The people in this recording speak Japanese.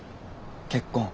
結婚？